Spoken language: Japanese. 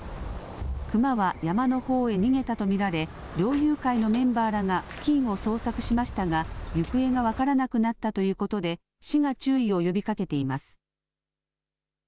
クマは山のほうへ逃げたと見られ、猟友会のメンバーらが付近を捜索しましたが、行方が分からなくなったということで、市が注意を呼びかけています。